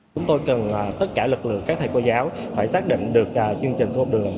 chúng tôi cần tất cả lực lượng các thầy cô giáo phải xác định được chương trình sữa học đường